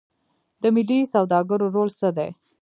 د ملي سوداګرو رول څه دی؟